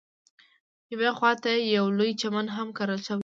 یوې خواته یې یو لوی چمن هم کرل شوی دی.